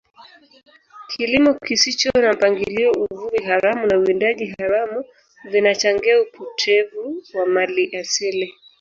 kilimo kisicho na mpangilio uvuvi haramu na uwindaji haramu vinachangia upotevu wa mali asili